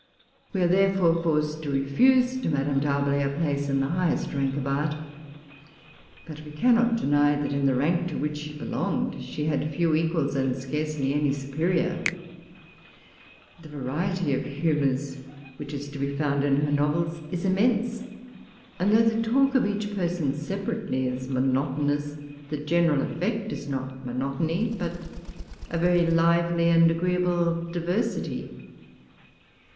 We are, therefore, forced to refuse to Madame D'Arblay a place in the highest rank of art; but we cannot deny that in the rank to which she belonged, she had few equals, and scarcely any superior. The variety of humors which is to be found in her novels is immense; and though the talk of each person separately is monotonous, the general effect is not monotony, but a very lively and agreeable diversity.